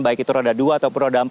begitu roda dua atau per roda empat